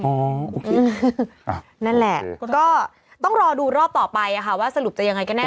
โอเคนั่นแหละก็ต้องรอดูรอบต่อไปว่าสรุปจะยังไงกันแน